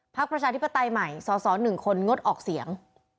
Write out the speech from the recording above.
ประชาธิปไตยใหม่สส๑คนงดออกเสียง